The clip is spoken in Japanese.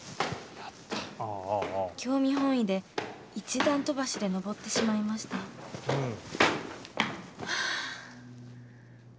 興味本位で１段飛ばしで上ってしまいましたはあ。